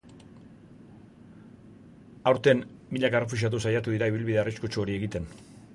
Aurten, milaka errefuxiatu saiatu dira ibilbide arriskutsu hori egiten.